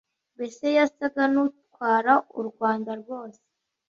mbese yasaga n'utwara u rwanda rwose,